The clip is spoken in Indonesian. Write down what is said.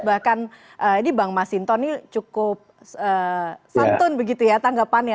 bahkan ini bang masinton ini cukup santun begitu ya tanggapannya